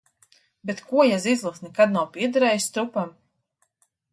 Bet ko ja zizlis nekad nav piederējis Strupam?